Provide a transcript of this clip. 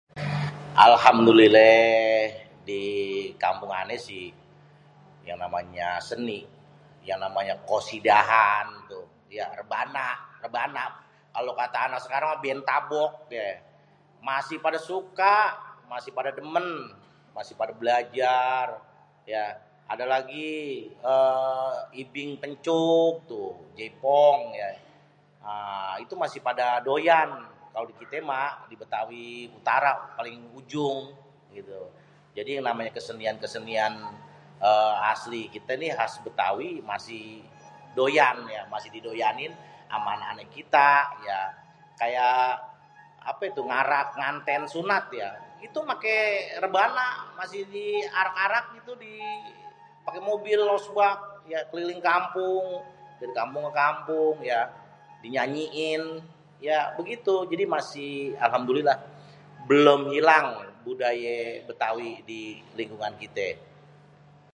alhamdulilléh di kampung ané sih yang namanya seni, yang namanya qosidahan.. rebana, rebanaa.. kalo kata anak sekarang band tabok.. masih pada suka, masih pada dêmên, masih pada belajar.. ada lagi ibing pêncuk tuh, jaipong ya, itu masih pada doyan.. kalo di kité mah di bêtawi utara paling ujung.. jadi yang namanya kesenian-kesenian asli kité nih khas bêtawi masih doyan yak.. masih didoyanin ama anak-anak kita.. kayak apa tuh, ngarak ngantén sunat yak.. itu maké rebana diarak-arak gitu paké mobil losbak keliling kampung.. dari kampung ke kampung dinyanyiin.. ya begitu.. jadi masih alhamdulillah belum ilang budaya bêtawi di lingkungan kité..